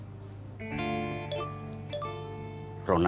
kamu pikirkan saja diri kamu